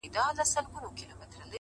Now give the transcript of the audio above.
پښتنو انجونو کي حوري پيدا کيږي ـ